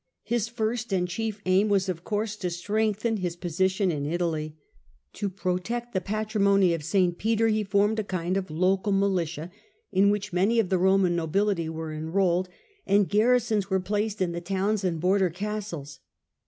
His first and chief aim was, of course, to strengthen his position in Italy. To protect the patri mony of St. Peter he formed a kind of local militia in which many of the Eoman nobility were enrolled, and garrisons were placed in the towns and border castles.